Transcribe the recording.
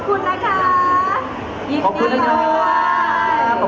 ขอบคุณนะค่ะ